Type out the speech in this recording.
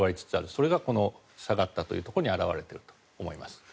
これが下がったというところに表れていると思います。